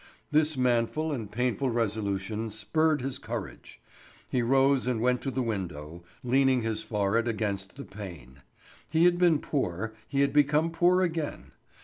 This manful and painful resolution spurred his courage; he rose and went to the window, leaning his forehead against the pane. He had been poor; he could become poor again.